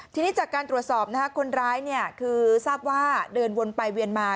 ทีนี้จากการตรวจสอบคนร้ายคือทราบว่าเดินวนไปเวียนมา